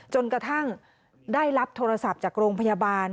จนกระทั่งได้รับโทรศัพท์จากโรงพยาบาล